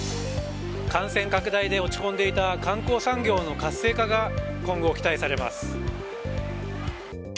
感染拡大で落ち込んでいた観光産業の活性化が今後、期待されます。